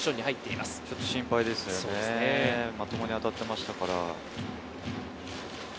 まともに当たっていましたから。